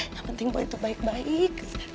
yang penting buat itu baik baik